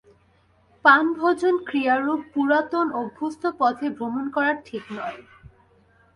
পান-ভোজন-ক্রিয়ারূপ পুরাতন অভ্যস্ত পথে ভ্রমণ করা কঠিন নয়।